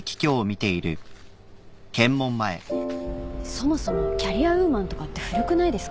そもそもキャリアウーマンとかって古くないですか？